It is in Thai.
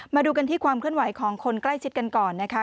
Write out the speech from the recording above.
มาดูกันที่ความเคลื่อนไหวของคนใกล้ชิดกันก่อนนะคะ